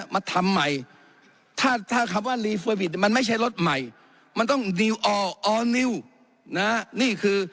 มาทำใหม่ถ้าถ้าคำว่ามันไม่ใช่รถใหม่มันต้องน่ะนี่คือ